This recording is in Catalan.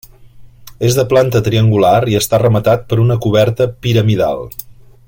És de planta triangular i està rematat per una coberta piramidal.